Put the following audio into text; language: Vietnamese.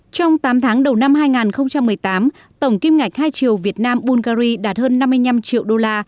trong tám tháng đầu năm hai nghìn một mươi tám tổng kim ngạch hai triệu việt nam bulgari đạt hơn năm mươi năm triệu đô la